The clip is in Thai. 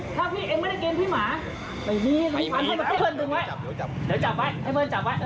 เออจับแผนแล้วไหมจับแผนแล้วไหม